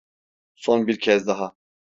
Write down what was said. Son bir kez daha.